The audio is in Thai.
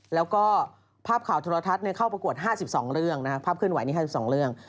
แล้วก็ภาพข่าวโทรทัศน์เข้าประกวด๕๒เรื่องนะครับภาพเคลื่อนไหวนี้๕๒เรื่อง